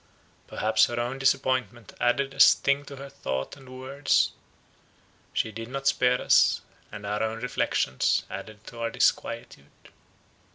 Perhaps her own disappointment added a sting to her thoughts and words; she did not spare us, and our own reflections added to our disquietude.